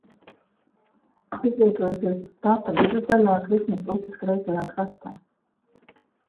Izvietojusies štata vidusdaļā Krišnas upes kreisajā krastā.